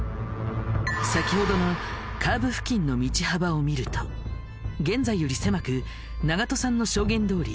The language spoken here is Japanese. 先ほどのカーブ付近の道幅を見ると現在より狭く長門さんの証言どおり